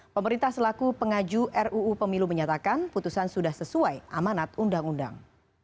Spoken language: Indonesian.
pemerintah selaku pengaju ruu pemilu menyatakan putusan sudah sesuai amanat undang undang